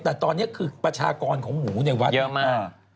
แต่ตอนนี้คือประชากรของหมูในวัดเยอะมาก